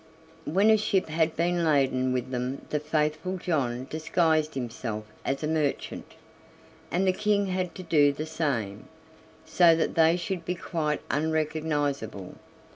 When a ship had been laden with them the faithful John disguised himself as a merchant, and the King had to do the same, so that they should be quite unrecognizable.